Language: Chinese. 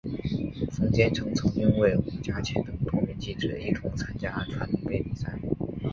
冯坚成曾经与伍家谦等多位记者一同参加传媒杯比赛。